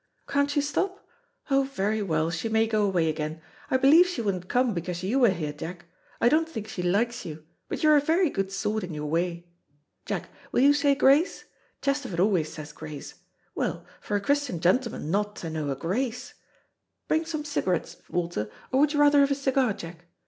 Can't she stop? Oh, very well, she may go away again. I believe she wouldn't come because you were here, Jack. I don't think she likes you, but you're a very good sort in your way. Jack, will you say grace? Chesterford always says grace. Well, for a Christian gentleman not to know a grace! Bring some cigarettes, Walter, or would you rather have a cigar, Jack?